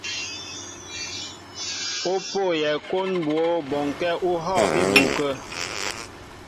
Ó pôyɛ kwón mbwǒ bɔŋkɛ̄ ú hɔ̂ á ibu kə̂.